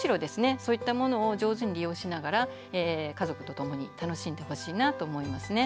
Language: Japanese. そういったものを上手に利用しながら家族と共に楽しんでほしいなと思いますね。